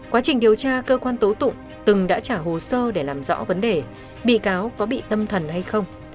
quá trình điều tra cơ quan tố tụng từng đã trả hồ sơ để làm rõ vấn đề bị cáo có bị tâm thần hay không